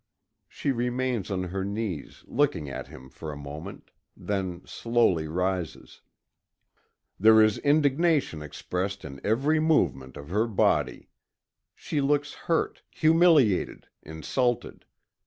She remains on her knees, looking at him for a moment then slowly rises. There is indignation expressed in every movement of her body. She looks hurt, humiliated, insulted.